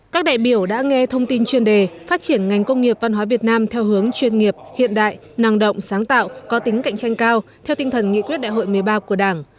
các đại biểu đã nghe thông tin chuyên đề phát triển ngành công nghiệp văn hóa việt nam theo hướng chuyên nghiệp hiện đại năng động sáng tạo có tính cạnh tranh cao theo tinh thần nghị quyết đại hội một mươi ba của đảng